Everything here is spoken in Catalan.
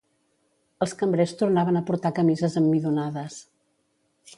Els cambrers tornaven a portar camises emmidonades